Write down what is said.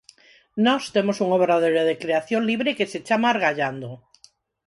Nós temos un obradoiro de creación libre que se chama "Argallando".